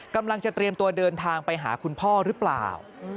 กำลังจะเตรียมตัวเดินทางไปหาคุณพ่อหรือเปล่า